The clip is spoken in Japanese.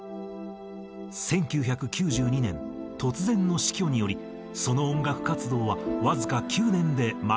１９９２年突然の死去によりその音楽活動はわずか９年で幕を閉じた。